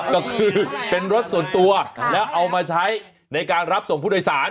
ก็คือเป็นรถส่วนตัวแล้วเอามาใช้ในการรับส่งผู้โดยสาร